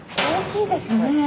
大きいですね。